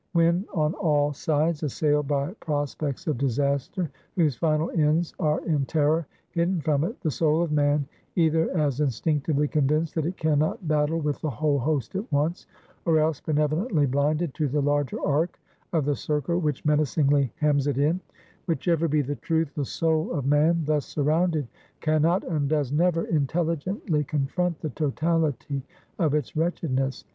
When on all sides assailed by prospects of disaster, whose final ends are in terror hidden from it, the soul of man either, as instinctively convinced that it can not battle with the whole host at once; or else, benevolently blinded to the larger arc of the circle which menacingly hems it in; whichever be the truth, the soul of man, thus surrounded, can not, and does never intelligently confront the totality of its wretchedness.